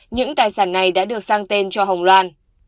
những tài sản này đã được sang tên cho hồng loan